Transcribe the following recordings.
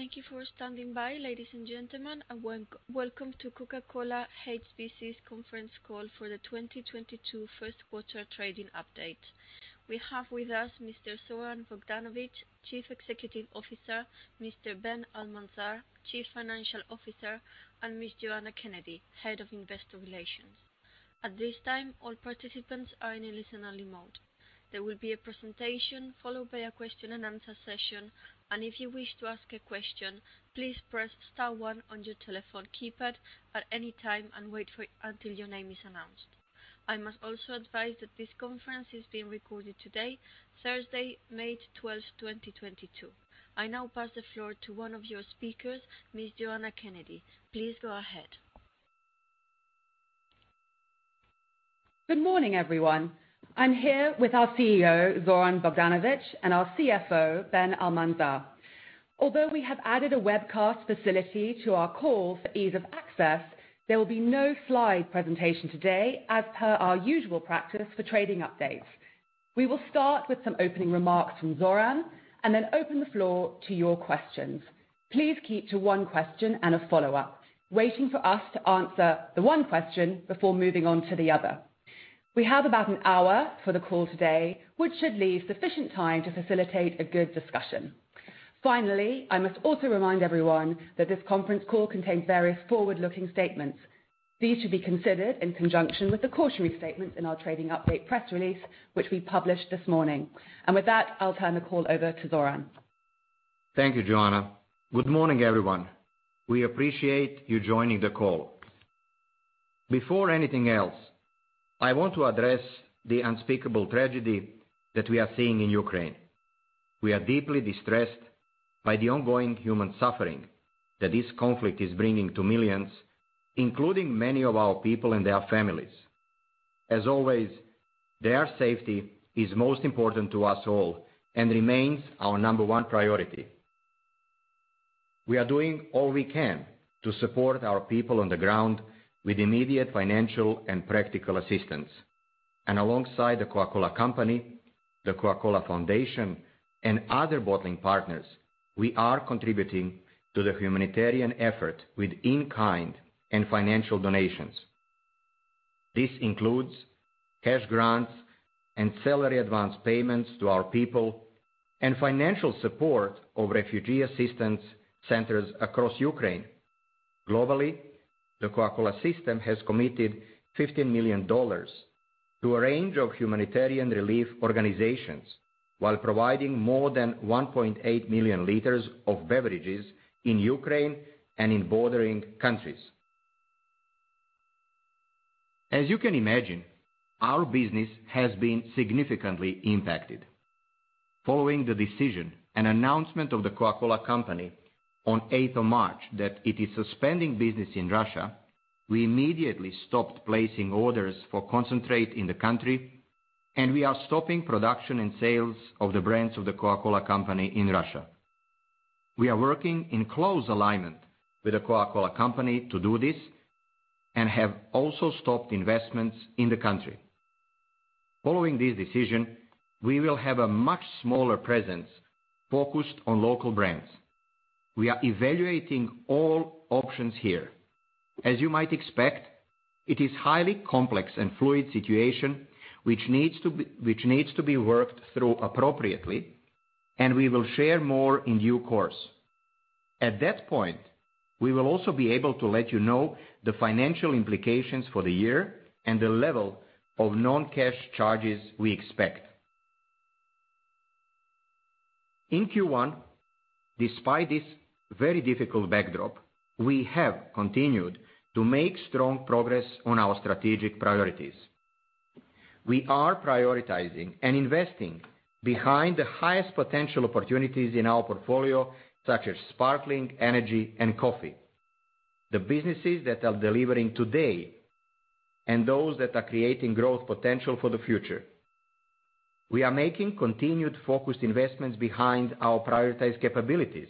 Thank you for standing by, ladies and gentlemen, and welcome to Coca-Cola HBC's conference call for the 2022 first quarter trading update. We have with us Mr. Zoran Bogdanović, Chief Executive Officer, Mr. Ben Almanzar, Chief Financial Officer, and Ms. Joanna Kennedy, Head of Investor Relations. At this time, all participants are in a listen-only mode. There will be a presentation followed by a question and answer session. If you wish to ask a question, please press star one on your telephone keypad at any time and wait until your name is announced. I must also advise that this conference is being recorded today, Thursday, May 12, 2022. I now pass the floor to one of your speakers, Ms. Joanna Kennedy. Please go ahead. Good morning, everyone. I'm here with our CEO, Zoran Bogdanović, and our CFO, Ben Almanzar. Although we have added a webcast facility to our call for ease of access, there will be no slide presentation today as per our usual practice for trading updates. We will start with some opening remarks from Zoran and then open the floor to your questions. Please keep to one question and a follow-up, waiting for us to answer the one question before moving on to the other. We have about an hour for the call today, which should leave sufficient time to facilitate a good discussion. Finally, I must also remind everyone that this conference call contains various forward-looking statements. These should be considered in conjunction with the cautionary statements in our trading update press release, which we published this morning. With that, I'll turn the call over to Zoran. Thank you, Joanna. Good morning, everyone. We appreciate you joining the call. Before anything else, I want to address the unspeakable tragedy that we are seeing in Ukraine. We are deeply distressed by the ongoing human suffering that this conflict is bringing to millions, including many of our people and their families. As always, their safety is most important to us all and remains our number one priority. We are doing all we can to support our people on the ground with immediate financial and practical assistance. Alongside The Coca-Cola Company, The Coca-Cola Foundation, and other bottling partners, we are contributing to the humanitarian effort with in-kind and financial donations. This includes cash grants and salary advance payments to our people and financial support of refugee assistance centers across Ukraine. Globally, The Coca-Cola system has committed $15 million to a range of humanitarian relief organizations while providing more than 1.8 million L of beverages in Ukraine and in bordering countries. As you can imagine, our business has been significantly impacted. Following the decision and announcement of The Coca-Cola Company on eighth of March that it is suspending business in Russia, we immediately stopped placing orders for concentrate in the country, and we are stopping production and sales of the brands of The Coca-Cola Company in Russia. We are working in close alignment with The Coca-Cola Company to do this and have also stopped investments in the country. Following this decision, we will have a much smaller presence focused on local brands. We are evaluating all options here. As you might expect, it is a highly complex and fluid situation which needs to be worked through appropriately, and we will share more in due course. At that point, we will also be able to let you know the financial implications for the year and the level of non-cash charges we expect. In Q1, despite this very difficult backdrop, we have continued to make strong progress on our strategic priorities. We are prioritizing and investing behind the highest potential opportunities in our portfolio, such as sparkling, Energy, and coffee, the businesses that are delivering today and those that are creating growth potential for the future. We are making continued focused investments behind our prioritized capabilities,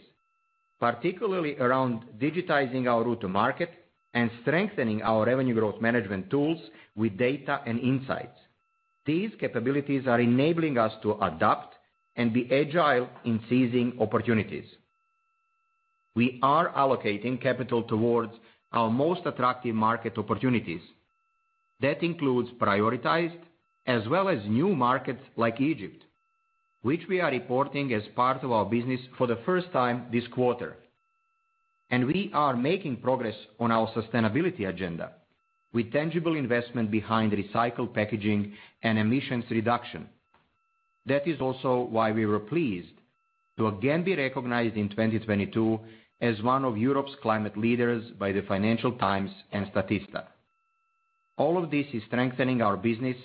particularly around digitizing our route to market and strengthening our revenue growth management tools with data and insights. These capabilities are enabling us to adapt and be agile in seizing opportunities. We are allocating capital towards our most attractive market opportunities. That includes prioritized as well as new markets like Egypt, which we are reporting as part of our business for the first time this quarter. We are making progress on our sustainability agenda with tangible investment behind recycled packaging and emissions reduction. That is also why we were pleased to again be recognized in 2022 as one of Europe's climate leaders by the Financial Times and Statista. All of this is strengthening our business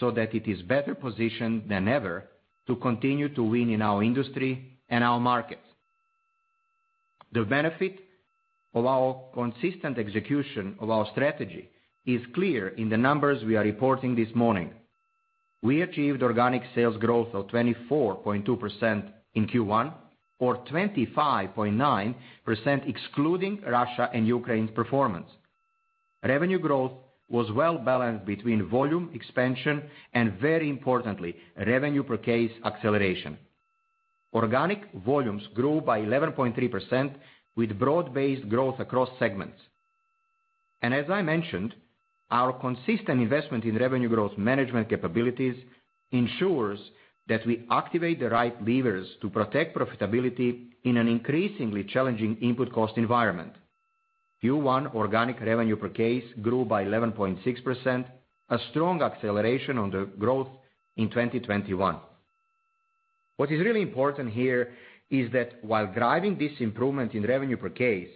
so that it is better positioned than ever to continue to win in our industry and our markets. The benefit of our consistent execution of our strategy is clear in the numbers we are reporting this morning. We achieved organic sales growth of 24.2% in Q1, or 25.9% excluding Russia and Ukraine's performance. Revenue growth was well balanced between volume expansion and very importantly, revenue per case acceleration. Organic volumes grew by 11.3% with broad-based growth across segments. As I mentioned, our consistent investment in revenue growth management capabilities ensures that we activate the right levers to protect profitability in an increasingly challenging input cost environment. Q1 organic revenue per case grew by 11.6%, a strong acceleration on the growth in 2021. What is really important here is that while driving this improvement in revenue per case,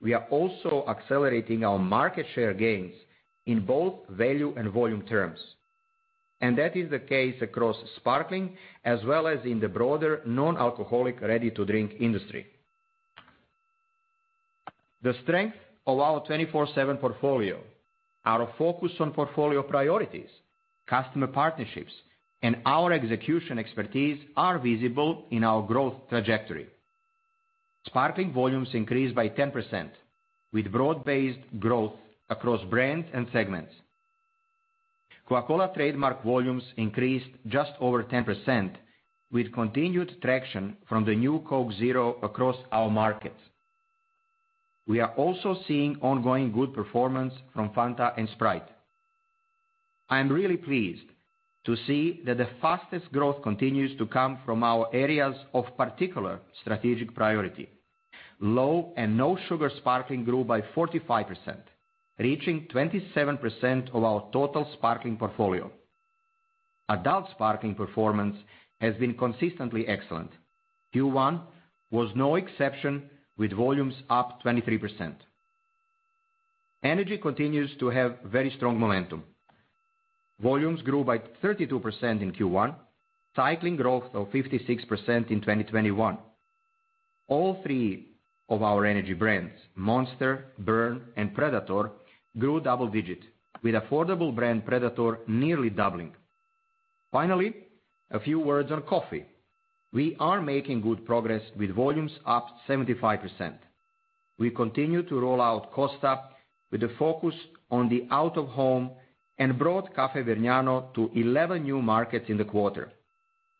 we are also accelerating our market share gains in both value and volume terms. That is the case across sparkling as well as in the broader non-alcoholic ready to drink industry. The strength of our 24/7 portfolio, our focus on portfolio priorities, customer partnerships, and our execution expertise are visible in our growth trajectory. Sparkling volumes increased by 10% with broad-based growth across brands and segments. Coca-Cola trademark volumes increased just over 10% with continued traction from the new Coke Zero across our markets. We are also seeing ongoing good performance from Fanta and Sprite. I am really pleased to see that the fastest growth continues to come from our areas of particular strategic priority. Low and No Sugar sparkling grew by 45%, reaching 27% of our total sparkling portfolio. Adult sparkling performance has been consistently excellent. Q1 was no exception with volumes up 23%. Energy continues to have very strong momentum. Volumes grew by 32% in Q1, cycling growth of 56% in 2021. All three of our Energy brands, Monster, Burn and Predator, grew double digits, with affordable brand Predator nearly doubling. Finally, a few words on coffee. We are making good progress with volumes up 75%. We continue to roll out Costa with a focus on the out of home and brought Caffè Vergnano to 11 new markets in the quarter.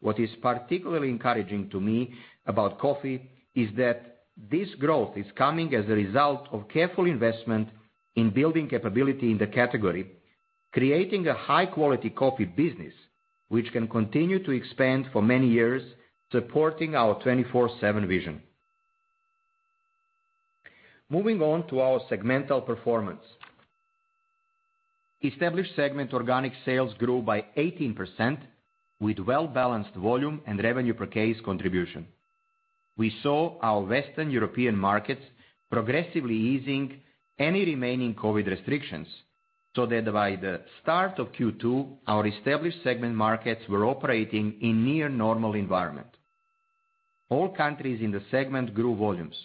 What is particularly encouraging to me about coffee is that this growth is coming as a result of careful investment in building capability in the category, creating a high quality coffee business which can continue to expand for many years, supporting our 24/7 vision. Moving on to our segmental performance. Established segment organic sales grew by 18% with well balanced volume and revenue per case contribution. We saw our Western European markets progressively easing any remaining COVID restrictions, so that by the start of Q2, our established segment markets were operating in near normal environment. All countries in the segment grew volumes.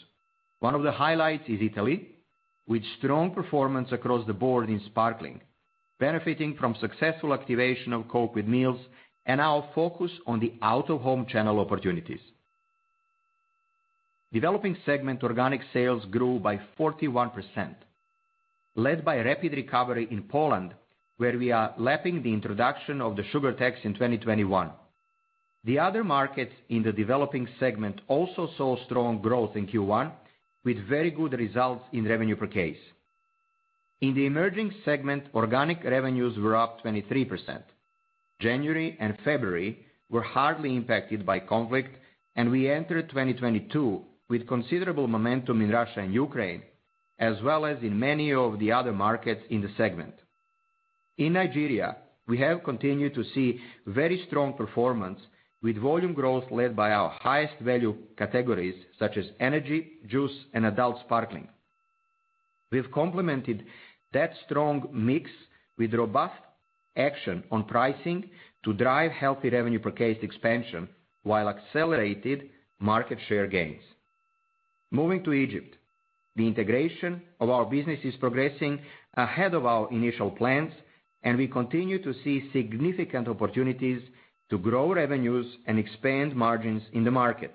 One of the highlights is Italy, with strong performance across the board in sparkling, benefiting from successful activation of Coke with Meals and our focus on the out-of-home channel opportunities. Developing segment organic sales grew by 41%, led by rapid recovery in Poland, where we are lapping the introduction of the sugar tax in 2021. The other markets in the developing segment also saw strong growth in Q1 with very good results in revenue per case. In the emerging segment, organic revenues were up 23%. January and February were hardly impacted by conflict, and we entered 2022 with considerable momentum in Russia and Ukraine, as well as in many of the other markets in the segment. In Nigeria, we have continued to see very strong performance with volume growth led by our highest value categories such as Energy, juice and adult sparkling. We've complemented that strong mix with robust action on pricing to drive healthy revenue per case expansion while accelerated market share gains. Moving to Egypt, the integration of our business is progressing ahead of our initial plans, and we continue to see significant opportunities to grow revenues and expand margins in the market.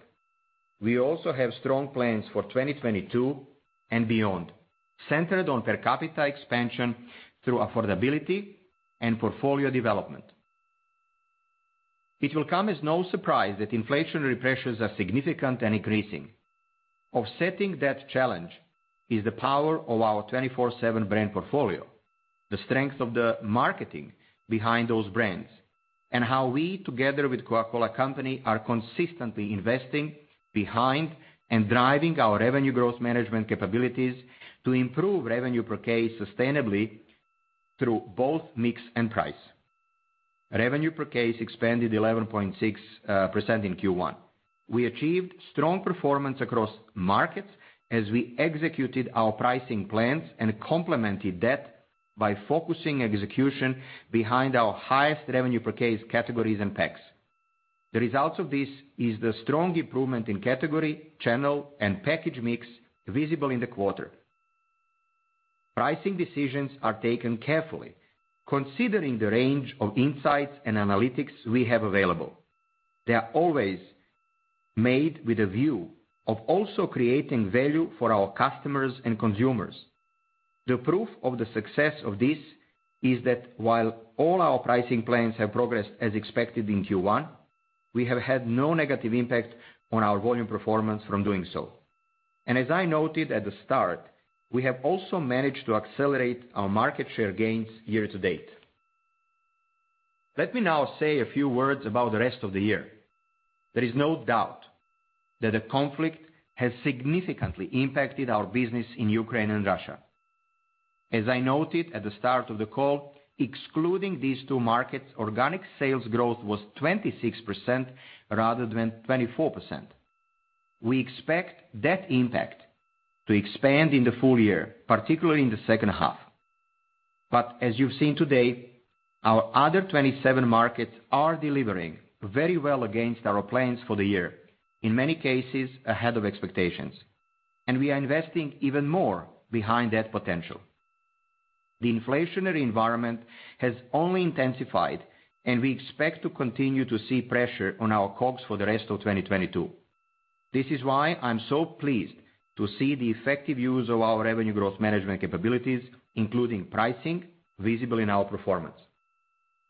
We also have strong plans for 2022 and beyond, centered on per capita expansion through affordability and portfolio development. It will come as no surprise that inflationary pressures are significant and increasing. Offsetting that challenge is the power of our 24/7 brand portfolio, the strength of the marketing behind those brands, and how we, together with Coca-Cola Company, are consistently investing behind and driving our revenue growth management capabilities to improve revenue per case sustainably through both mix and price. Revenue per case expanded 11.6% in Q1. We achieved strong performance across markets as we executed our pricing plans and complemented that by focusing execution behind our highest revenue per case categories and packs. The results of this is the strong improvement in category, channel and package mix visible in the quarter. Pricing decisions are taken carefully. Considering the range of insights and analytics we have available, they are always made with a view of also creating value for our customers and consumers. The proof of the success of this is that while all our pricing plans have progressed as expected in Q1, we have had no negative impact on our volume performance from doing so. As I noted at the start, we have also managed to accelerate our market share gains year to date. Let me now say a few words about the rest of the year. There is no doubt that the conflict has significantly impacted our business in Ukraine and Russia. As I noted at the start of the call, excluding these two markets, organic sales growth was 26% rather than 24%. We expect that impact to expand in the full year, particularly in the second half. As you've seen today, our other 27 markets are delivering very well against our plans for the year, in many cases ahead of expectations, and we are investing even more behind that potential. The inflationary environment has only intensified, and we expect to continue to see pressure on our costs for the rest of 2022. This is why I'm so pleased to see the effective use of our revenue growth management capabilities, including pricing visible in our performance.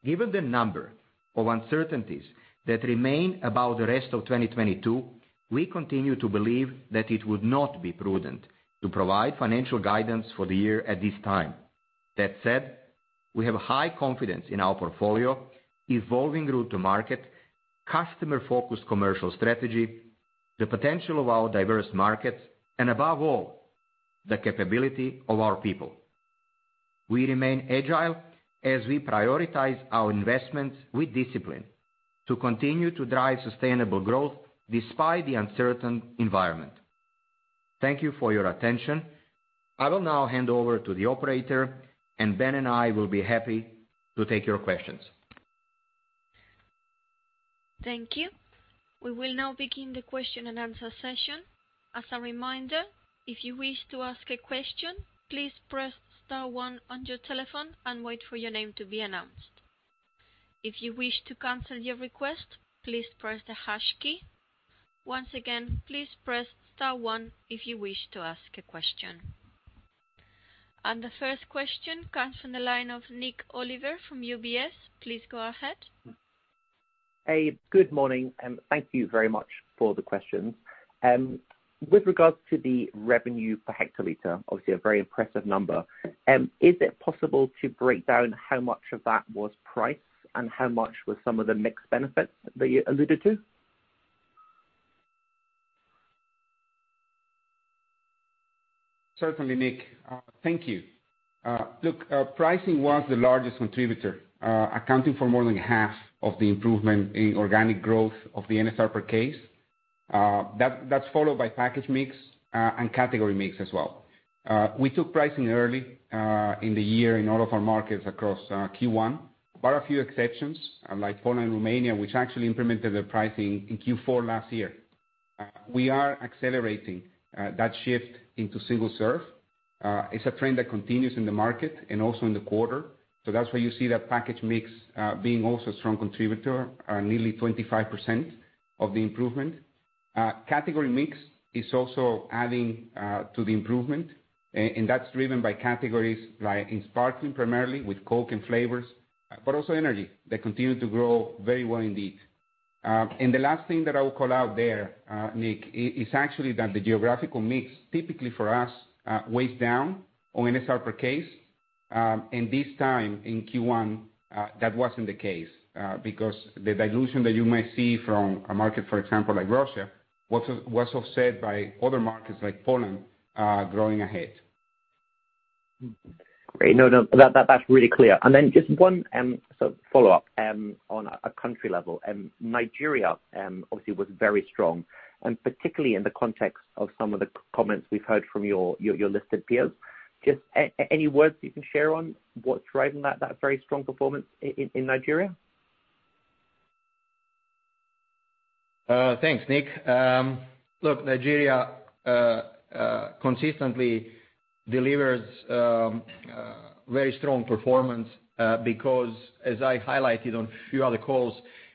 Given the number of uncertainties that remain about the rest of 2022, we continue to believe that it would not be prudent to provide financial guidance for the year at this time. That said, we have high confidence in our portfolio evolving route to market, customer focused commercial strategy, the potential of our diverse markets, and above all, the capability of our people. We remain agile as we prioritize our investments with discipline to continue to drive sustainable growth despite the uncertain environment. Thank you for your attention. I will now hand over to the operator, and Ben and I will be happy to take your questions. Thank you. We will now begin the Q&A session. As a reminder, if you wish to ask a question, please press star one on your telephone and wait for your name to be announced. If you wish to cancel your request, please press the hash key. Once again, please press star one if you wish to ask a question. The first question comes from the line of Nik Oliver from UBS. Please go ahead. Good morning and thank you very much for the questions. With regards to the revenue per hectolitre, obviously a very impressive number, is it possible to break down how much of that was price and how much was some of the mixed benefits that you alluded to? Certainly, Nik. Thank you. Look, pricing was the largest contributor, accounting for more than half of the improvement in organic growth of the NSR per case. That's followed by package mix and category mix as well. We took pricing early in the year in all of our markets across Q1, bar a few exceptions like Poland and Romania, which actually implemented the pricing in Q4 last year. We are accelerating that shift into single serve. It's a trend that continues in the market and also in the quarter. That's why you see that package mix being also a strong contributor, nearly 25% of the improvement. Category mix is also adding to the improvement. That's driven by categories like in sparkling primarily with Coke and flavors, but also Energy that continue to grow very well indeed. The last thing that I will call out there, Nik, is actually that the geographical mix typically for us weighs down on NSR per case. This time in Q1, that wasn't the case, because the dilution that you might see from a market, for example, like Russia, was offset by other markets like Poland, growing ahead. Great. No, no, that's really clear. Just one sort of follow-up on a country level. Nigeria obviously was very strong, and particularly in the context of some of the comments we've heard from your listed peers. Just any words you can share on what's driving that very strong performance in Nigeria? Thanks, Nick. Look, Nigeria consistently delivers very strong performance, because as I highlighted on a few other calls,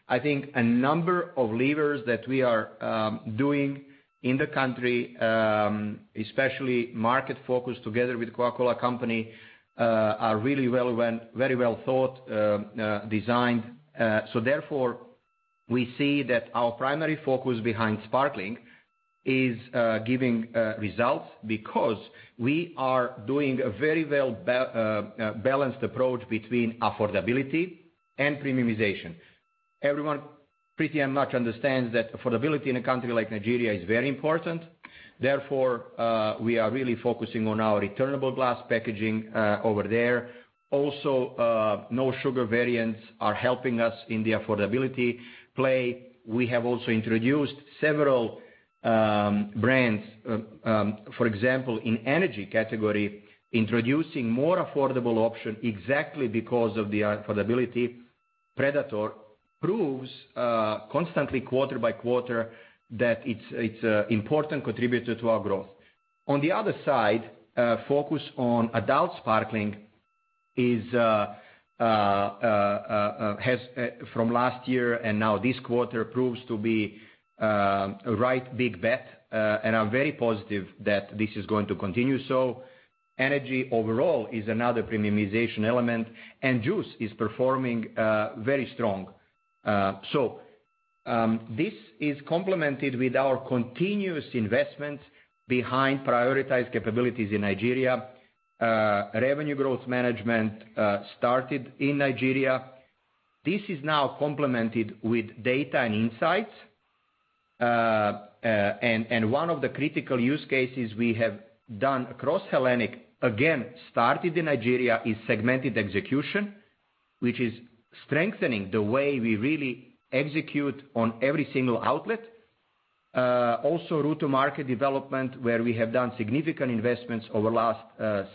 I think a number of levers that we are doing in the country, especially market focus together with The Coca-Cola Company, are really very well thought designed. Therefore, we see that our primary focus behind sparkling is giving results because we are doing a very well balanced approach between affordability and premiumization. Everyone pretty much understands that affordability in a country like Nigeria is very important. Therefore, we are really focusing on our returnable glass packaging over there. Also, no sugar variants are helping us in the affordability play. We have also introduced several brands, for example, in Energy category, introducing more affordable option exactly because of the affordability Predator proves constantly quarter by quarter that it's a important contributor to our growth. On the other side, focus on adult sparkling has from last year and now this quarter proves to be a right big bet. I'm very positive that this is going to continue so. Energy overall is another premiumization element, and juice is performing very strong. This is complemented with our continuous investments behind prioritized capabilities in Nigeria. Revenue growth management started in Nigeria. This is now complemented with data and insights. One of the critical use cases we have done across Hellenic, again, started in Nigeria, is segmented execution, which is strengthening the way we really execute on every single outlet. Also route to market development, where we have done significant investments over last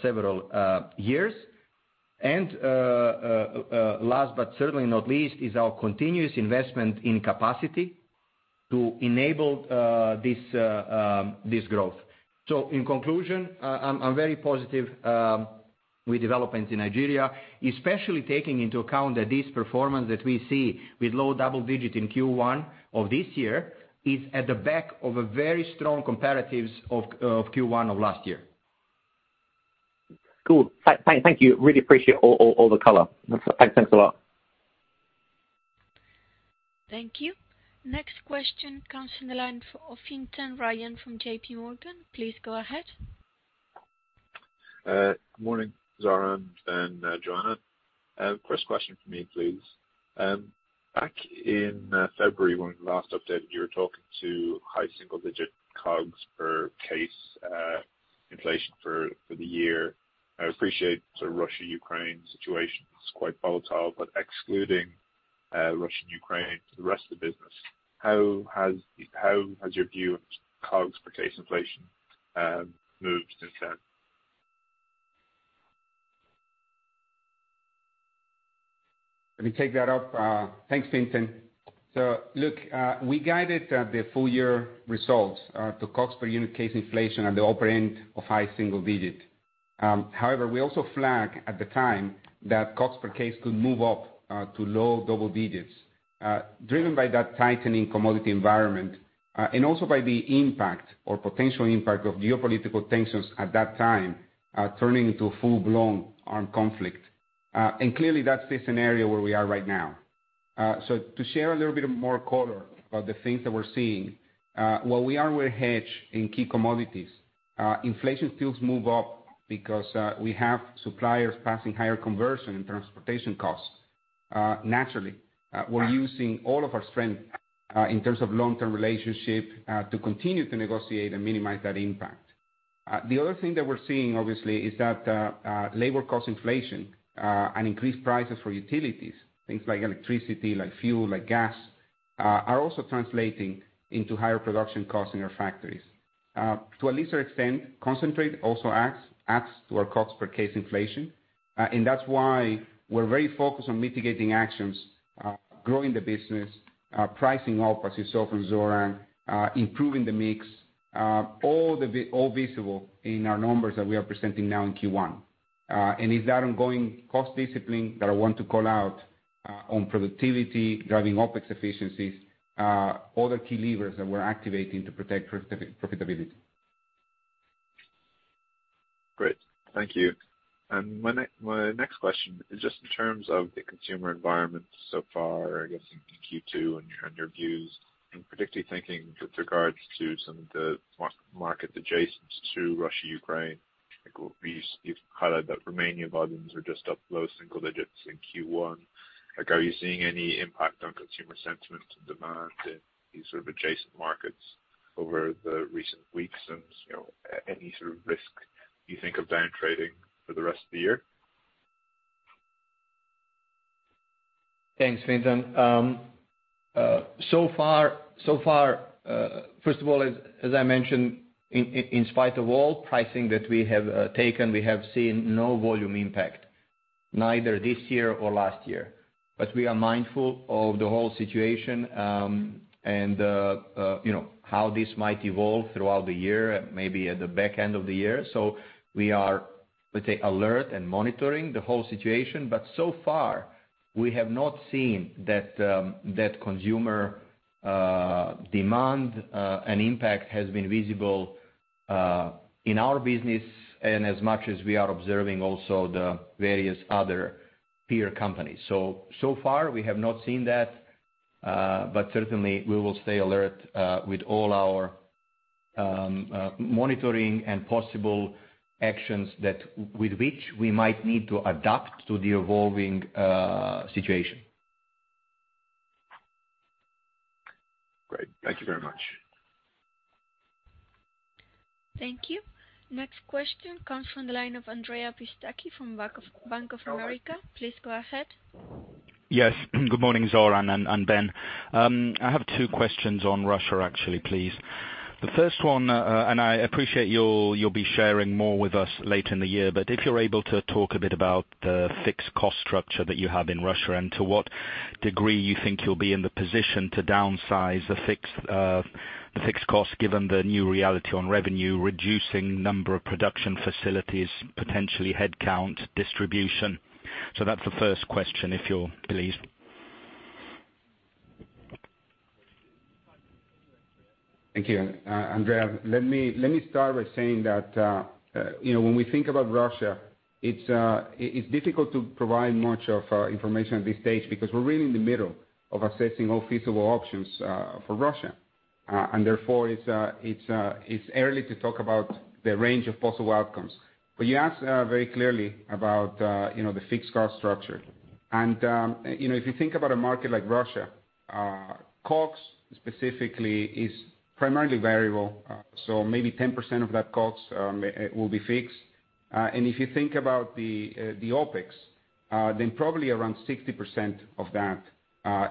several years. Last but certainly not least, is our continuous investment in capacity to enable this growth. In conclusion, I'm very positive with developments in Nigeria, especially taking into account that this performance that we see with low double digit in Q1 of this year is at the back of a very strong comparatives of Q1 of last year. Cool. Thank you. Really appreciate all the color. Thanks a lot. Thank you. Next question comes from the line of Fintan Ryan from JPMorgan. Please go ahead. Good morning, Zoran and Joanna. First question from me, please. Back in February, when you last updated, you were talking to high single digit COGS per case inflation for the year. I appreciate the Russia-Ukraine situation is quite volatile, but excluding Russia and Ukraine, the rest of the business, how has your view of COGS per case inflation moved since then? Let me take that up. Thanks, Fintan. Look, we guided the full year results to COGS per unit case inflation at the upper end of high single digit. However, we also flagged at the time that COGS per case could move up to low double digits, driven by that tightening commodity environment and also by the impact or potential impact of geopolitical tensions at that time turning into a full-blown armed conflict. Clearly that's the scenario where we are right now. To share a little bit of more color about the things that we're seeing, while we are well hedged in key commodities, inflation still move up because we have suppliers passing higher conversion and transportation costs. Naturally, we're using all of our strength in terms of long-term relationship to continue to negotiate and minimize that impact. The other thing that we're seeing obviously is that labor cost inflation and increased prices for utilities, things like electricity, like fuel, like gas, are also translating into higher production costs in our factories. To a lesser extent, concentrate also adds to our COGS per case inflation. And that's why we're very focused on mitigating actions, growing the business, pricing up as you saw from Zoran, improving the mix, all visible in our numbers that we are presenting now in Q1. And it's that ongoing cost discipline that I want to call out, on productivity, driving OpEx efficiencies, other key levers that we're activating to protect profitability. Great. Thank you. My next question is just in terms of the consumer environment so far, I guess in Q2 and your views. I'm particularly thinking with regards to some of the market adjacents to Russia, Ukraine. You've highlighted that Romania volumes are just up low single digits in Q1. Like, are you seeing any impact on consumer sentiment and demand in these sort of adjacent markets over the recent weeks? You know, any sort of risk you think of down trading for the rest of the year? Thanks, Fintan. So far, first of all, as I mentioned, in spite of all pricing that we have taken, we have seen no volume impact, neither this year or last year. We are mindful of the whole situation, and you know, how this might evolve throughout the year, maybe at the back end of the year. We are, let's say, alert and monitoring the whole situation, but so far we have not seen that consumer demand and impact has been visible in our business and as much as we are observing also the various other peer companies. So far we have not seen that, but certainly we will stay alert with all our monitoring and possible actions that with which we might need to adapt to the evolving situation. Great. Thank you very much. Thank you. Next question comes from the line of Andrea Pistacchi from Bank of America. Please go ahead. Yes. Good morning, Zoran and Ben. I have two questions on Russia, actually, please. The first one, and I appreciate you'll be sharing more with us later in the year, but if you're able to talk a bit about the fixed cost structure that you have in Russia and to what degree you think you'll be in the position to downsize the fixed cost given the new reality on revenue, reducing number of production facilities, potentially head count, distribution. So that's the first question, if you're pleased. Thank you. Andrea, let me start by saying that, you know, when we think about Russia it's difficult to provide much of our information at this stage because we're really in the middle of assessing all feasible options for Russia. Therefore it's early to talk about the range of possible outcomes. You asked very clearly about, you know, the fixed cost structure. You know, if you think about a market like Russia, COGS specifically is primarily variable, so maybe 10% of that COGS will be fixed. If you think about the OpEx, then probably around 60% of that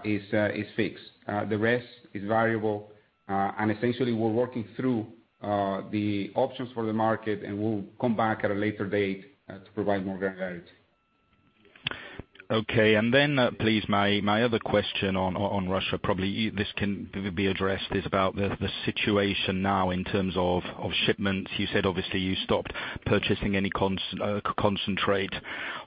is fixed. The rest is variable. Essentially we're working through the options for the market, and we'll come back at a later date to provide more granularity. Okay. Please my other question on Russia, probably this can be addressed, is about the situation now in terms of shipments. You said obviously you stopped purchasing any concentrate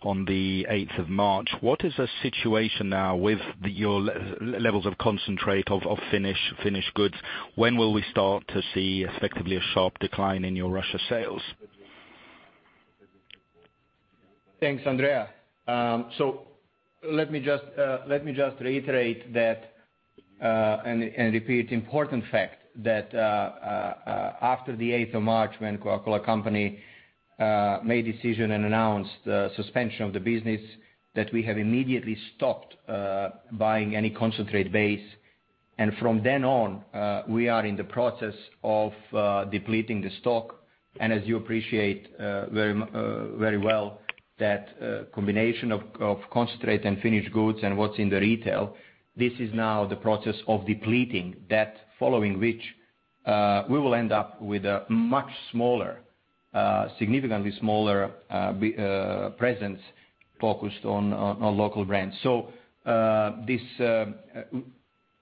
on the 8th of March. What is the situation now with your levels of concentrate of finished goods? When will we start to see effectively a sharp decline in your Russia sales? Thanks, Andrea. Let me just reiterate that and repeat important fact that after the eighth of March when Coca-Cola Company made decision and announced suspension of the business that we have immediately stopped buying any concentrate base. From then on, we are in the process of depleting the stock. As you appreciate very well that combination of concentrate and finished goods and what's in the retail. This is now the process of depleting that following which we will end up with a much smaller significantly smaller presence focused on local brands. This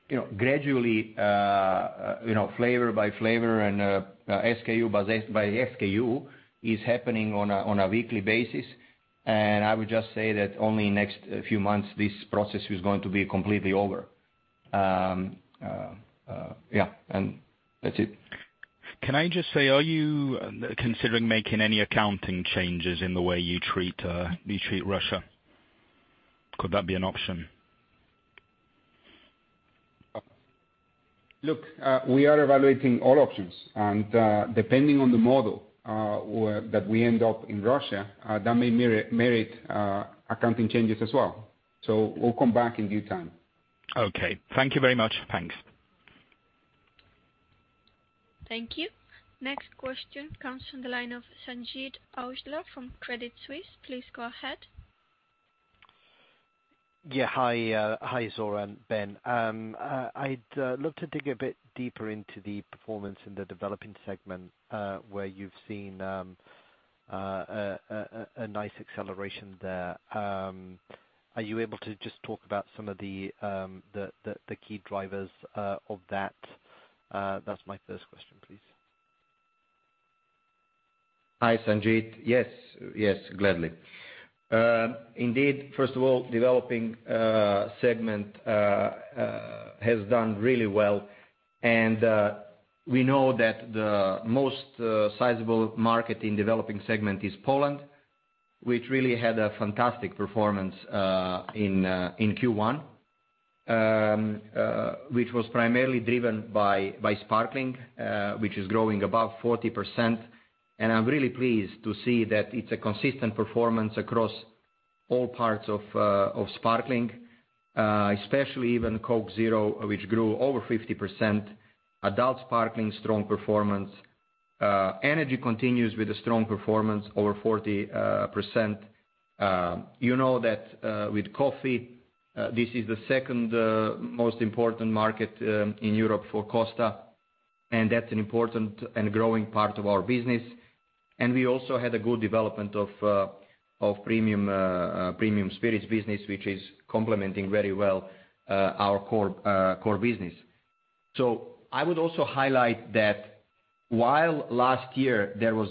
you know gradually you know flavor by flavor and SKU by SKU is happening on a weekly basis. I would just say that only next few months this process is going to be completely over. Yeah, and that's it. Can I just say, are you considering making any accounting changes in the way you treat Russia? Could that be an option? Look, we are evaluating all options and, depending on the model where that we end up in Russia, that may merit accounting changes as well. We'll come back in due time. Okay. Thank you very much. Thanks. Thank you. Next question comes from the line of Sanjeet Aujla from Credit Suisse. Please go ahead. Yeah. Hi, Zoran, Ben. I'd love to dig a bit deeper into the performance in the developing segment, where you've seen a nice acceleration there. Are you able to just talk about some of the key drivers of that? That's my first question, please. Hi, Sanjeet. Yes. Yes, gladly. Indeed, first of all, developing segment has done really well and we know that the most sizable market in developing segment is Poland, which really had a fantastic performance in Q1. Which was primarily driven by sparkling, which is growing above 40%. I'm really pleased to see that it's a consistent performance across all parts of sparkling, especially even Coke Zero, which grew over 50%. Adult sparkling, strong performance. Energy continues with a strong performance over 40%. You know that with coffee, this is the second most important market in Europe for Costa, and that's an important and growing part of our business. We also had a good development of premium spirits business, which is complementing very well our core business. I would also highlight that while last year there was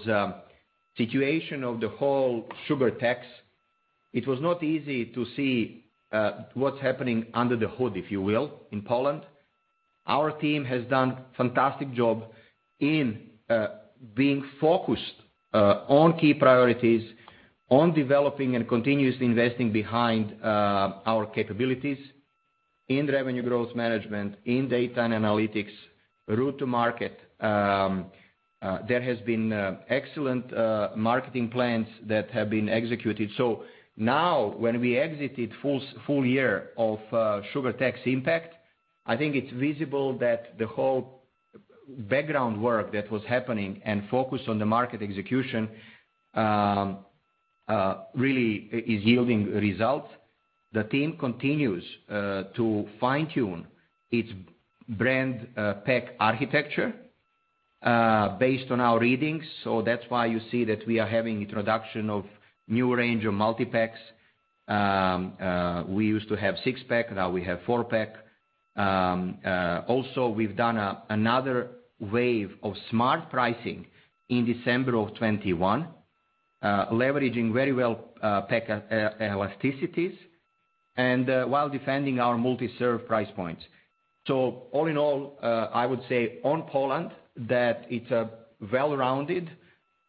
situation of the whole sugar tax, it was not easy to see what's happening under the hood, if you will, in Poland. Our team has done fantastic job in being focused on key priorities, on developing and continuously investing behind our capabilities in revenue growth management, in data and analytics, route to market. There has been excellent marketing plans that have been executed. Now when we exited full year of sugar tax impact, I think it's visible that the whole background work that was happening and focus on the market execution really is yielding results. The team continues to fine-tune its brand pack architecture based on our readings, so that's why you see that we are having introduction of new range of multipacks. We used to have six-pack, now we have four-pack. Also we've done another wave of smart pricing in December of 2021, leveraging very well pack elasticities and while defending our multi-serve price points. All in all, I would say on Poland that it's a well-rounded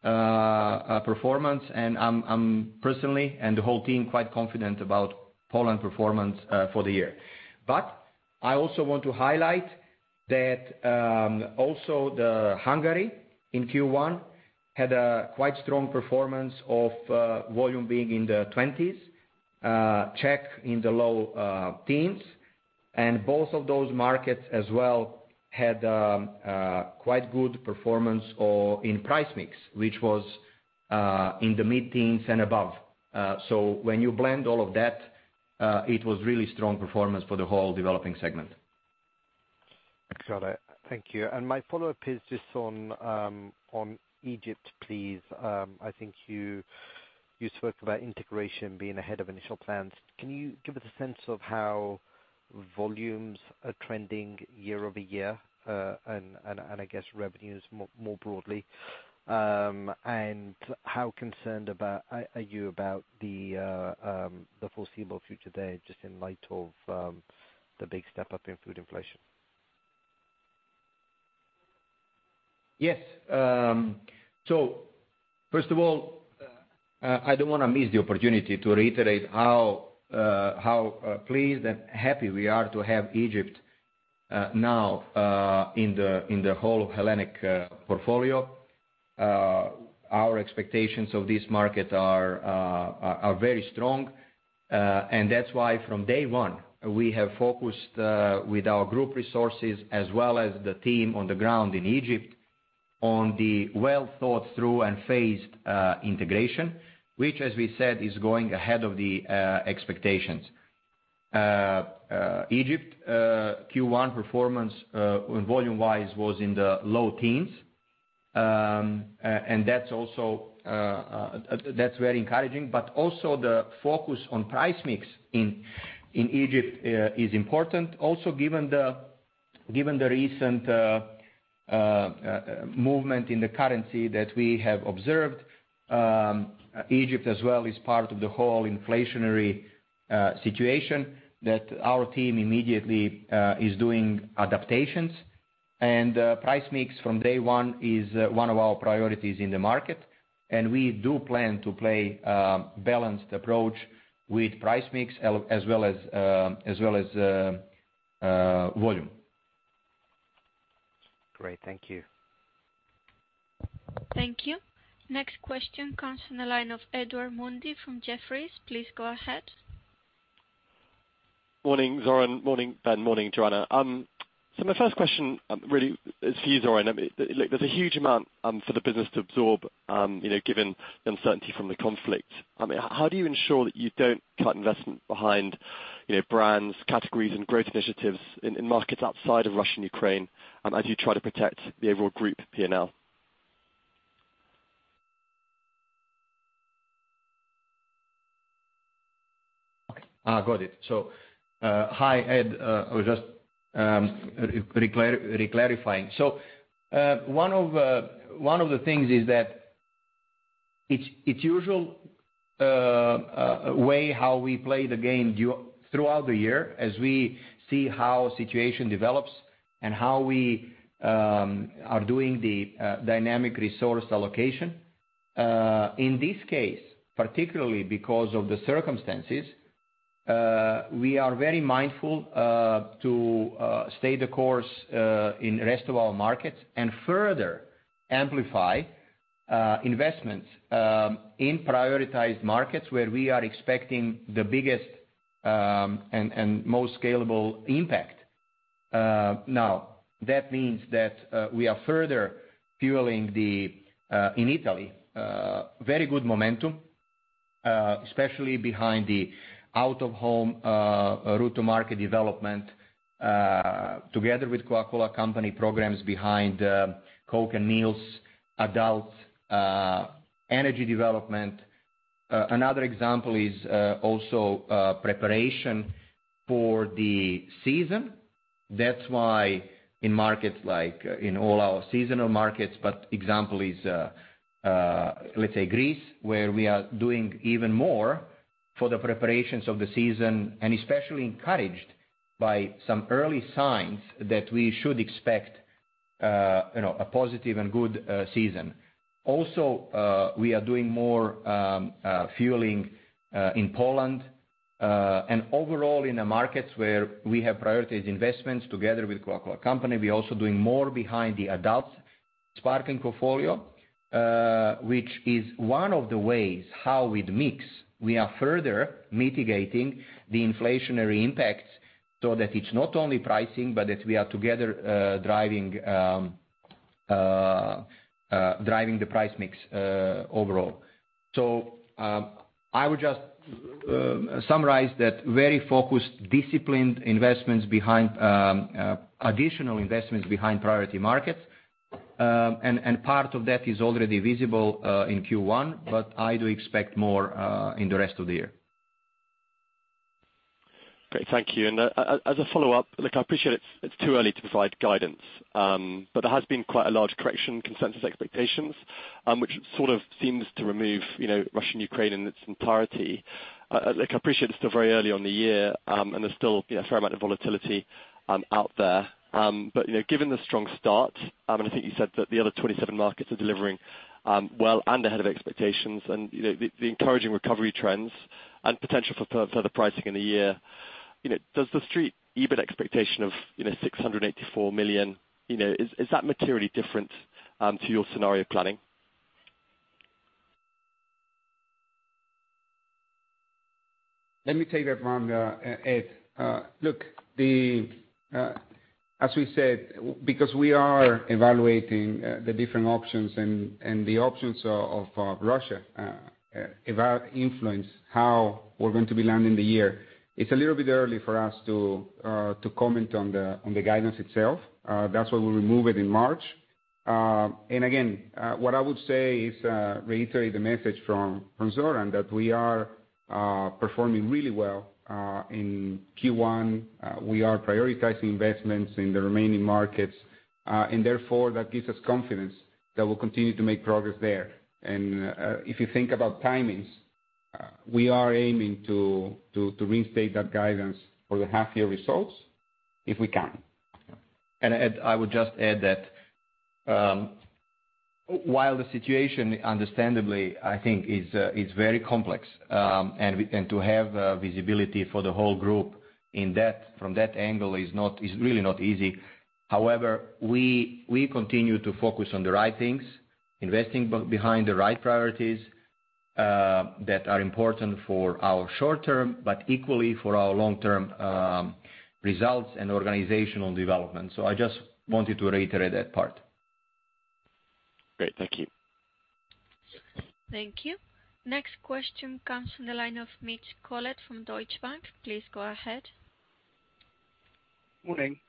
performance, and I'm personally, and the whole team, quite confident about Poland performance for the year. I also want to highlight that, also Hungary in Q1 had a quite strong performance of volume being in the 20s%, Czech in the low teens%, and both of those markets as well had quite good performance in price mix, which was in the mid-teens% and above. When you blend all of that, it was really strong performance for the whole developing segment. Got it. Thank you. My follow-up is just on Egypt, please. I think you spoke about integration being ahead of initial plans. Can you give us a sense of how volumes are trending year-over-year, and I guess revenues more broadly? How concerned are you about the foreseeable future there, just in light of the big step up in food inflation? Yes. First of all, I don't wanna miss the opportunity to reiterate how pleased and happy we are to have Egypt now in the whole Hellenic portfolio. Our expectations of this market are very strong, and that's why from day one, we have focused with our group resources as well as the team on the ground in Egypt on the well-thought-through and phased integration, which as we said, is going ahead of the expectations. Egypt Q1 performance volume-wise was in the low teens, and that's also very encouraging, but also the focus on price mix in Egypt is important. Given the recent movement in the currency that we have observed, Egypt as well is part of the whole inflationary situation that our team immediately is doing adaptations. Price mix from day one is one of our priorities in the market, and we do plan to play a balanced approach with price mix as well as volume. Great. Thank you. Thank you. Next question comes from the line of Edward Mundy from Jefferies. Please go ahead. Morning, Zoran. Morning, Ben. Morning, Joanna. My first question really is for you, Zoran. I mean, look, there's a huge amount for the business to absorb, you know, given the uncertainty from the conflict. I mean, how do you ensure that you don't cut investment behind, you know, brands, categories, and growth initiatives in markets outside of Russia and Ukraine, as you try to protect the overall group P&L? Got it. Hi, Ed. I was just reclarifying. One of the things is that it's usual way how we play the game throughout the year as we see how situation develops and how we are doing the dynamic resource allocation. In this case, particularly because of the circumstances, we are very mindful to stay the course in rest of our markets and further amplify investments in prioritized markets where we are expecting the biggest and most scalable impact. Now, that means that we are further fueling the in Italy very good momentum, especially behind the out-of-home route to market development, together with Coca-Cola Company programs behind Coke & Meals, adult Energy development. Another example is also preparation for the season. That's why in markets like in all our seasonal markets, but example is let's say Greece, where we are doing even more for the preparations of the season, and especially encouraged by some early signs that we should expect you know a positive and good season. Also we are doing more fueling in Poland and overall in the markets where we have prioritized investments together with Coca-Cola Company. We're also doing more behind the adult sparkling portfolio, which is one of the ways how with mix we are further mitigating the inflationary impacts so that it's not only pricing, but that we are together driving the price mix overall. I would just summarize that very focused, disciplined investments behind additional investments behind priority markets. Part of that is already visible in Q1, but I do expect more in the rest of the year. Great. Thank you. As a follow-up, look, I appreciate it's too early to provide guidance, but there has been quite a large correction to consensus expectations, which sort of seems to remove, you know, Russia, Ukraine in its entirety. Look, I appreciate it's still very early in the year, and there's still, you know, a fair amount of volatility out there. But, you know, given the strong start, and I think you said that the other 27 markets are delivering well and ahead of expectations and, you know, the encouraging recovery trends and potential for further pricing in the year, you know, does the street EBIT expectation of 684 million, you know, is that materially different to your scenario planning? Let me take that one, Ed. Look, as we said, because we are evaluating the different options and the options for Russia and how they influence how we're going to be ending the year, it's a little bit early for us to comment on the guidance itself. That's why we'll remove it in March. Again, what I would say is, reiterate the message from Zoran that we are performing really well in Q1. We are prioritizing investments in the remaining markets, and therefore that gives us confidence that we'll continue to make progress there. If you think about timings, we are aiming to reinstate that guidance for the half year results if we can. Ed, I would just add that, while the situation understandably, I think, is very complex, and to have visibility for the whole group in that, from that angle, is really not easy. However, we continue to focus on the right things, investing behind the right priorities that are important for our short-term, but equally for our long-term, results and organizational development. I just wanted to reiterate that part. Great. Thank you. Thank you. Next question comes from the line of Mitch Collett from Deutsche Bank. Please go ahead. Morning.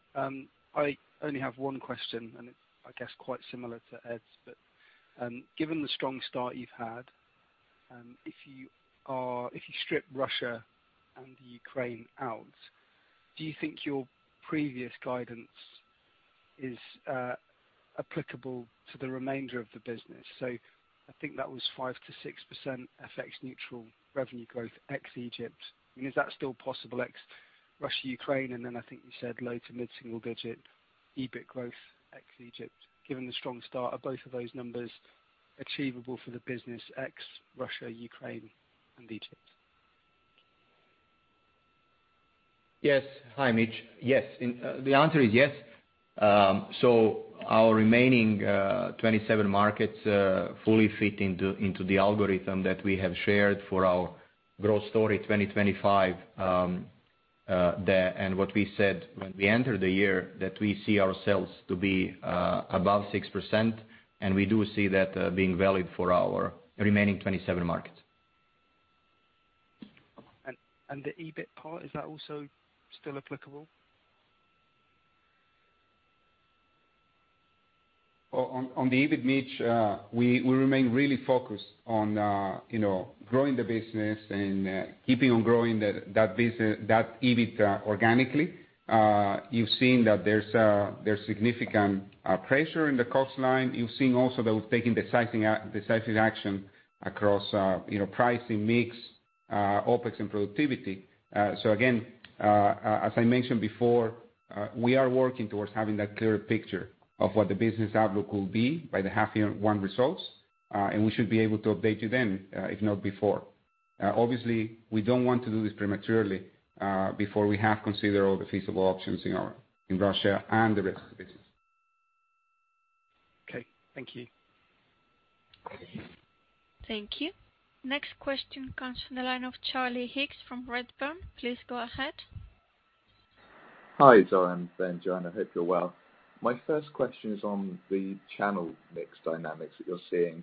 I only have one question and it's, I guess, quite similar to Ed's. Given the strong start you've had, if you strip Russia and Ukraine out, do you think your previous guidance is applicable to the remainder of the business? I think that was 5%-6% FX neutral revenue growth ex Egypt. I mean, is that still possible ex Russia, Ukraine? Then I think you said low- to mid-single-digit EBIT growth, ex Egypt. Given the strong start, are both of those numbers achievable for the business ex Russia, Ukraine and Egypt? Yes. Hi, Mitch. Yes, the answer is yes. So our remaining 27 markets fully fit into the algorithm that we have shared for our Growth Story 2025 there. What we said when we entered the year that we see ourselves to be above 6% and we do see that being valid for our remaining 27 markets. the EBIT part, is that also still applicable? On the EBIT, Mitch, we remain really focused on growing the business and keeping on growing that EBIT organically. You've seen that there's significant pressure in the cost line. You've seen also that we've taken decisive action across pricing mix, OpEx and productivity. As I mentioned before, we are working towards having that clearer picture of what the business outlook will be by the half year one results, and we should be able to update you then, if not before. Obviously, we don't want to do this prematurely, before we have considered all the feasible options in Russia and the rest of the business. Okay. Thank you. Thank you. Next question comes from the line of Charlie Higgs from Redburn. Please go ahead. Hi, Zoran, Ben, Joanna. Hope you're well. My first question is on the channel mix dynamics that you're seeing.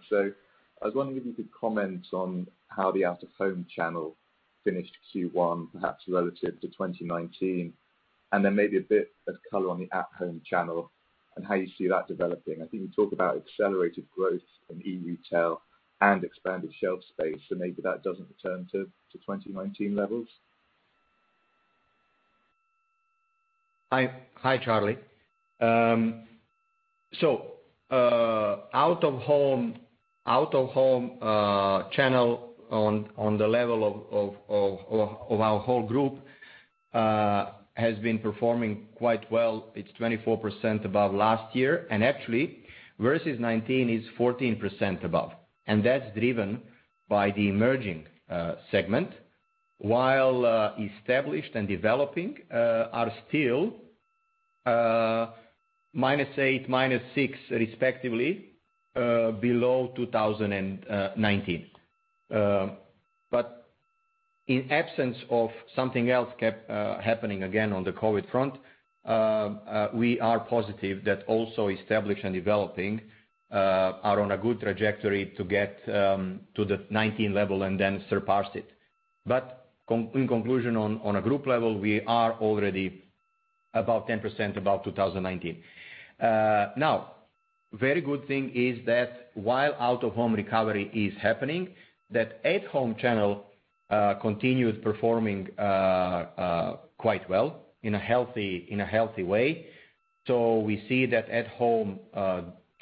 I was wondering if you could comment on how the out of home channel finished Q1, perhaps relative to 2019, and then maybe a bit of color on the at home channel and how you see that developing. I think you talk about accelerated growth in e-retail and expanded shelf space, so maybe that doesn't return to 2019 levels. Hi. Hi, Charlie. Out of home channel on the level of our whole group has been performing quite well. It's 24% above last year, and actually versus 2019 is 14% above. That's driven by the emerging segment, while established and developing are still -8%, -6% respectively below 2019. In the absence of something else keeping happening again on the COVID front, we are positive that also established and developing are on a good trajectory to get to the 2019 level and then surpass it. In conclusion, on a group level, we are already about 10% above 2019. Now, very good thing is that while out of home recovery is happening, that at home channel continues performing quite well in a healthy way. We see that at home,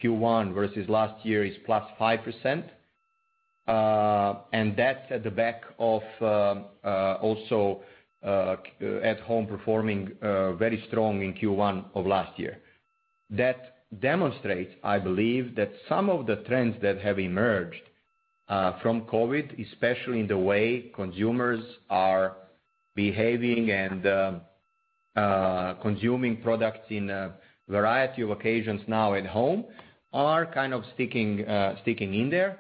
Q1 versus last year is +5%, and that's at the back of also at home performing very strong in Q1 of last year. That demonstrates, I believe, that some of the trends that have emerged from COVID, especially in the way consumers are behaving and consuming products in a variety of occasions now at home, are kind of sticking in there.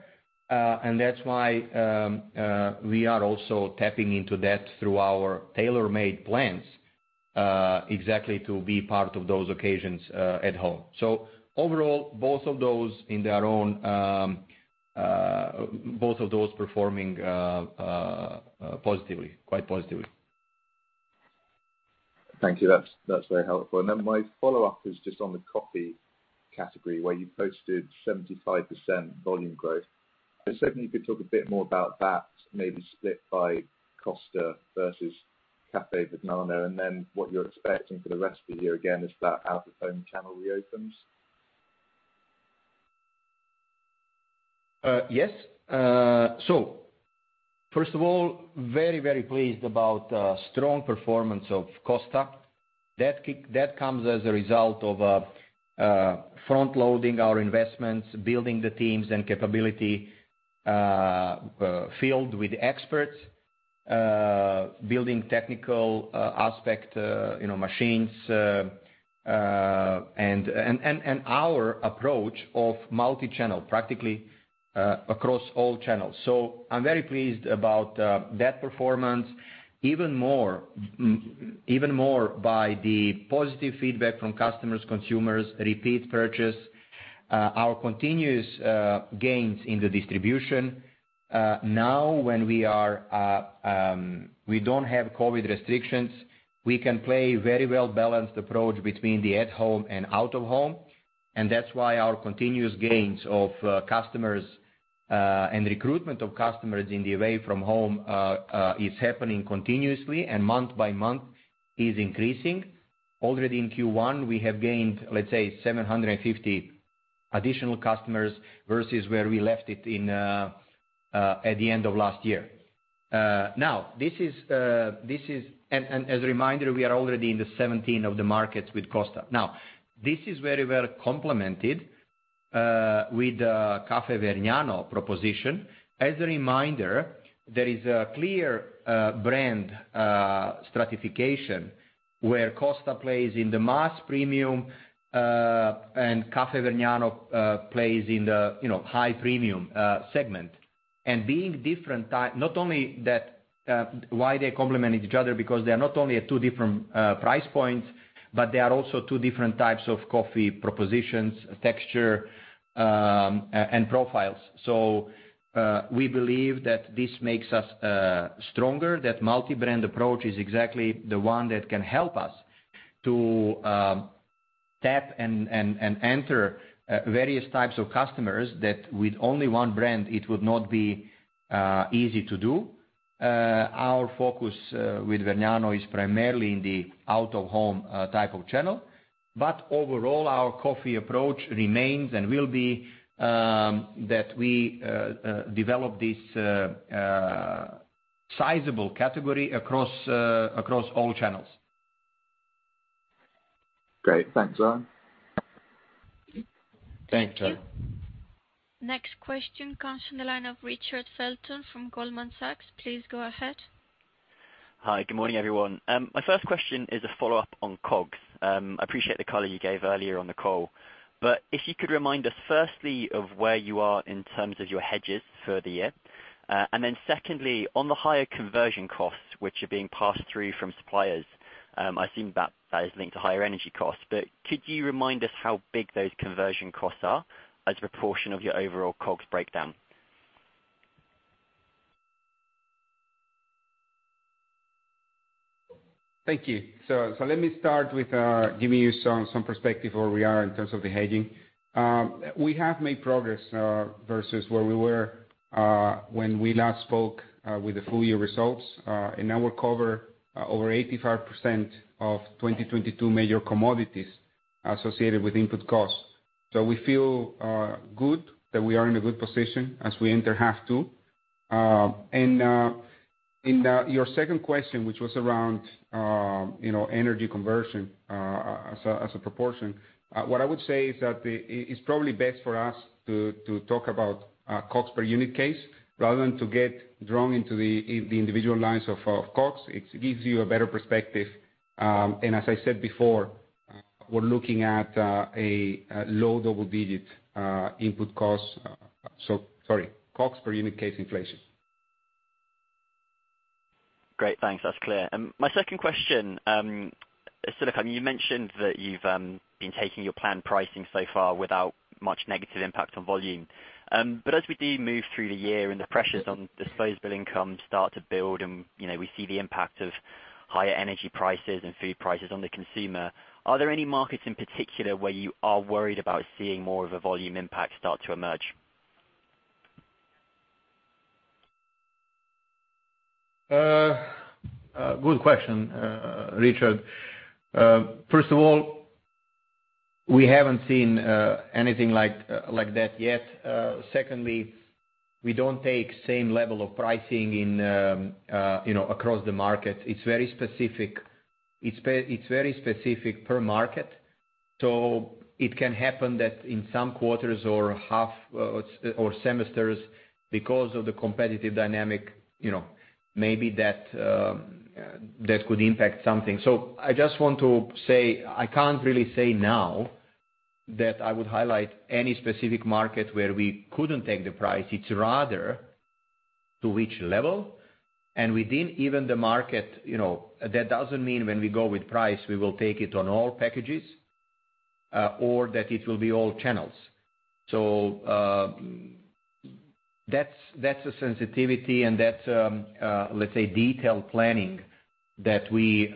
That's why we are also tapping into that through our tailor-made plans exactly to be part of those occasions at home. Overall, both of those performing positively, quite positively. Thank you. That's very helpful. My follow-up is just on the coffee category, where you posted 75% volume growth. If certainly you could talk a bit more about that, maybe split by Costa versus Caffè Vergnano, and then what you're expecting for the rest of the year again, as that out-of-home channel reopens. Yes. First of all, very pleased about strong performance of Costa. That comes as a result of front-loading our investments, building the teams and capability filled with experts, building technical aspect, you know, machines, and our approach of multi-channel, practically, across all channels. I'm very pleased about that performance. Even more by the positive feedback from customers, consumers, repeat purchase, our continuous gains in the distribution. Now when we are, we don't have COVID restrictions, we can play very well-balanced approach between the at home and out of home, and that's why our continuous gains of customers and recruitment of customers in the away from home is happening continuously and month by month is increasing. Already in Q1, we have gained, let's say, 750 additional customers versus where we left it in at the end of last year. Now this is. As a reminder, we are already in 17 of the markets with Costa. Now, this is very well complemented with Caffè Vergnano proposition. As a reminder, there is a clear brand stratification where Costa plays in the mass premium and Caffè Vergnano plays in the, you know, high premium segment. Being different type, not only that, they complement each other because they are not only at two different price points, but they are also two different types of coffee propositions, texture and profiles. We believe that this makes us stronger, that multi-brand approach is exactly the one that can help us to tap and enter various types of customers that with only one brand it would not be easy to do. Our focus with Vergnano is primarily in the out-of-home type of channel. Overall, our coffee approach remains and will be that we develop this sizable category across all channels. Great. Thanks, Zoran. Thank you. Next question comes from the line of Richard Felton from Goldman Sachs. Please go ahead. Hi, good morning, everyone. My first question is a follow-up on COGS. I appreciate the color you gave earlier on the call. If you could remind us firstly of where you are in terms of your hedges for the year? Secondly, on the higher conversion costs, which are being passed through from suppliers, I assume that is linked to higher Energy costs. Could you remind us how big those conversion costs are as a proportion of your overall COGS breakdown? Thank you. Let me start with giving you some perspective where we are in terms of the hedging. We have made progress versus where we were when we last spoke with the full year results. Now we cover over 85% of 2022 major commodities associated with input costs. We feel good that we are in a good position as we enter half two. In your second question, which was around you know, Energy conversion as a proportion, what I would say is that it's probably best for us to talk about COGS per unit case rather than to get drawn into the individual lines of COGS. It gives you a better perspective, and as I said before. We're looking at a low double digit input cost. Sorry, COGS per unit case inflation. Great. Thanks. That's clear. My second question, so look, you mentioned that you've been taking your planned pricing so far without much negative impact on volume. As we do move through the year and the pressures on disposable income start to build and, you know, we see the impact of higher Energy prices and food prices on the consumer, are there any markets in particular where you are worried about seeing more of a volume impact start to emerge? Good question, Richard. First of all, we haven't seen anything like that yet. Secondly, we don't take same level of pricing in, you know, across the market. It's very specific. It's very specific per market. So it can happen that in some quarters or half or semesters because of the competitive dynamic, you know, maybe that could impact something. So I just want to say, I can't really say now that I would highlight any specific market where we couldn't take the price. It's rather to which level. Within even the market, you know, that doesn't mean when we go with price, we will take it on all packages or that it will be all channels. That's a sensitivity and that's let's say detailed planning that we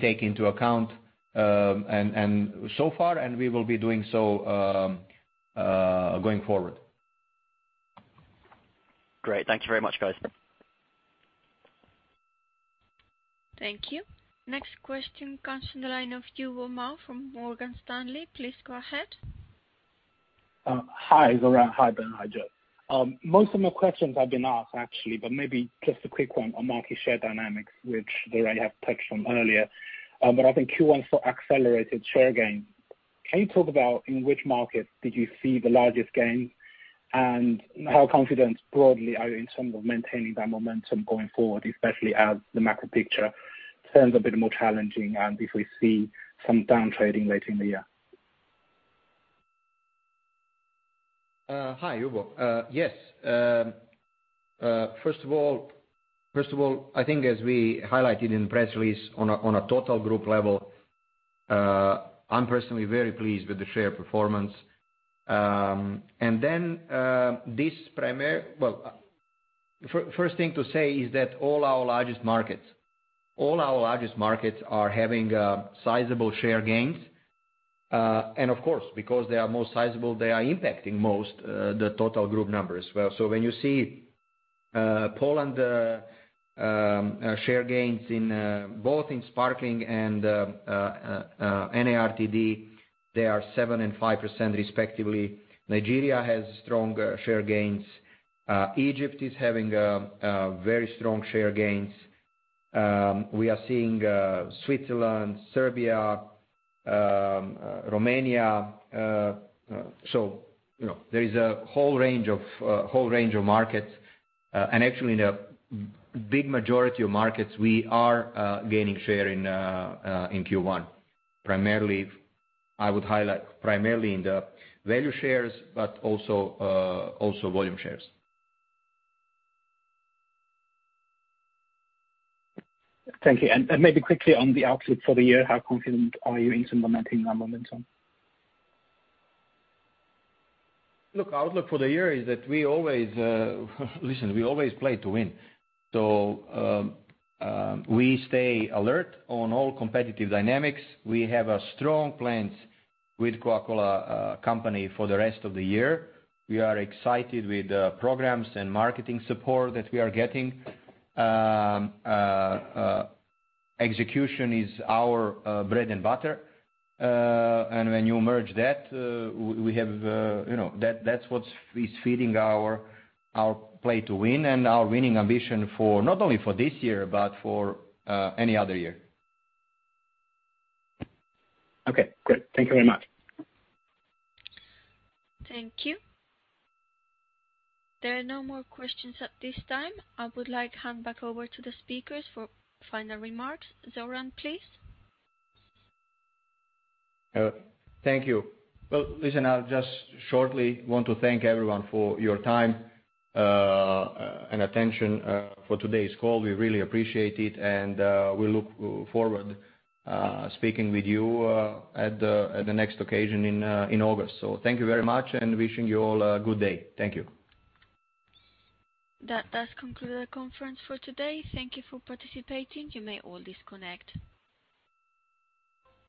take into account, and so far and we will be doing so going forward. Great. Thank you very much, guys. Thank you. Next question comes from the line of Yubo Mao from Morgan Stanley. Please go ahead. Hi, Zoran. Hi, Ben. Hi, Joe. Most of my questions have been asked actually, but maybe just a quick one on market share dynamics, which they already have touched on earlier. I think Q1 saw accelerated share gain. Can you talk about in which markets did you see the largest gain, and how confident broadly are you in terms of maintaining that momentum going forward, especially as the macro picture turns a bit more challenging and if we see some downtrading late in the year? Hi, Yubo Mao. Yes. First of all, I think as we highlighted in press release on a total group level, I'm personally very pleased with the share performance. First thing to say is that all our largest markets are having sizable share gains. Of course, because they are most sizable, they are impacting most the total group numbers as well. When you see Poland share gains in both sparkling and NARTD, they are 7% and 5% respectively. Nigeria has strong share gains. Egypt is having very strong share gains. We are seeing Switzerland, Serbia, Romania. You know, there is a whole range of markets. Actually in a big majority of markets, we are gaining share in Q1. Primarily, I would highlight in the value shares, but also volume shares. Thank you. Maybe quickly on the outlook for the year, how confident are you in implementing that momentum? Look, outlook for the year is that we always play to win. We stay alert on all competitive dynamics. We have strong plans with Coca-Cola Company for the rest of the year. We are excited with the programs and marketing support that we are getting. Execution is our bread and butter. When you merge that with what we have, you know, that's what's feeding our play to win and our winning ambition for not only this year, but for any other year. Okay, great. Thank you very much. Thank you. There are no more questions at this time. I would like to hand back over to the speakers for final remarks. Zoran, please. Thank you. Well, listen, I'll just shortly want to thank everyone for your time, and attention, for today's call. We really appreciate it, and we look forward speaking with you at the next occasion in August. Thank you very much, and wishing you all a good day. Thank you. That does conclude the conference for today. Thank you for participating. You may all disconnect.